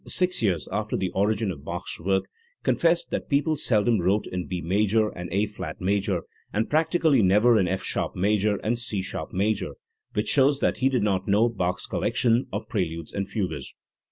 six years after the origin of Bach's work confessed that people seldom wrote in B major and A flat major, and practically never in F sharp major and C sharp major*; which shows that he did not know Bach's collection of preludes and fugues.